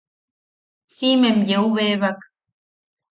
Siimem yeu bebak.